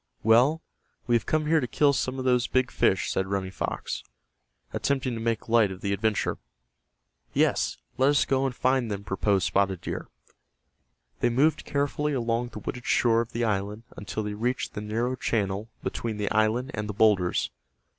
"Well, we have come here to kill some of those big fish," said Running Fox, attempting to make light of the adventure. "Yes, let us go and find them," proposed Spotted Deer. They moved carefully along the wooded shore of the island until they reached the narrow channel between the island and the boulders.